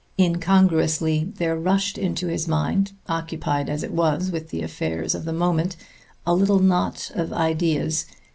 Incongruously there rushed into his mind, occupied as it was with the affair of the moment, a little knot of ideas